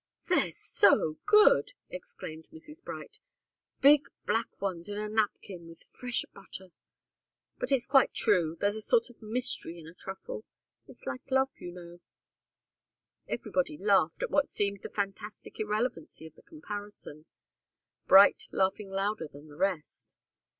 "They're so good!" exclaimed Mrs. Bright. "Big black ones in a napkin with fresh butter. But it's quite true. There's a sort of mystery in a truffle. It's like love, you know." Everybody laughed at what seemed the fantastic irrelevancy of the comparison Bright laughing louder than the rest.